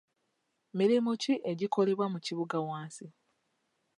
Mirimu ki egikolebwa mu kibuga wansi?